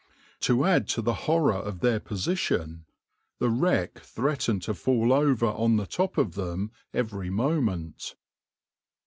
To add to the horror of their position, the wreck threatened to fall over on the top of them every moment.